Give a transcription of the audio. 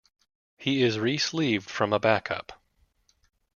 He is resleeved from a backup.